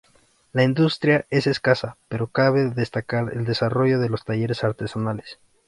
La industria es escasa; pero cabe destacar el desarrollo de los talleres artesanales.